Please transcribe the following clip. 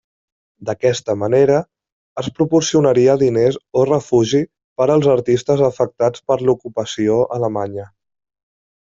D’aquesta manera, es proporcionaria diners o refugi per als artistes afectats per l’ocupació alemanya.